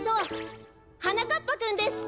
はなかっぱくんです！